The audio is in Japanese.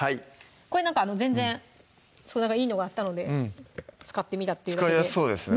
これなんか全然いいのがあったので使ってみたっていうだけで使いやすそうです